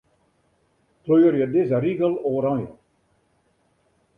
Kleurje dizze rigel oranje.